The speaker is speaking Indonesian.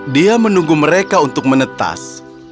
dia menunggu mereka untuk menetas